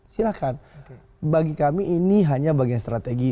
silahkan bagi kami ini hanya bagian strategi